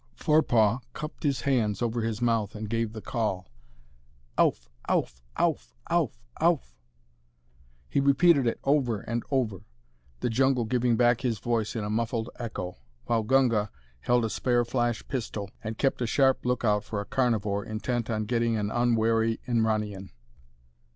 Forepaugh cupped his hands over his mouth and gave the call. "Ouf! Ouf! Ouf! Ouf! Ouf!" He repeated it over and over, the jungle giving back his voice in a muffled echo, while Gunga held a spare flash pistol and kept a sharp lookout for a carnivore intent on getting an unwary Inranian.